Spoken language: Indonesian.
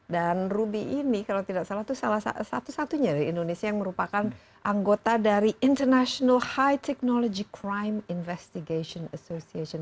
dan ruby ini kalau tidak salah itu salah satu satunya di indonesia yang merupakan anggota dari international high technology crime investigation association